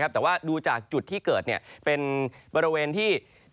ก็สามารถได้รับรู้ถึงแรงสันเธอร์สเทวน